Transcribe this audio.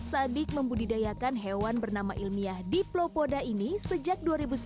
sadik membudidayakan hewan bernama ilmiah diplopoda ini sejak dua ribu sepuluh